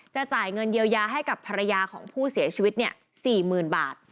จ่ายเงินเยียวยาให้กับภรรยาของผู้เสียชีวิต๔๐๐๐บาท